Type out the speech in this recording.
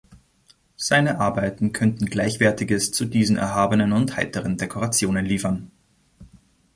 Seine Arbeiten könnten Gleichwertiges zu diesen erhabenen und heiteren Dekorationen liefern.